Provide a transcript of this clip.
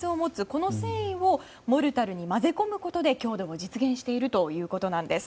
この繊維をモルタルに混ぜ込むことで強度を実現しているということです。